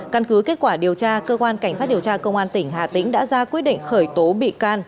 căn cứ kết quả điều tra cơ quan cảnh sát điều tra công an tỉnh hà tĩnh đã ra quyết định khởi tố bị can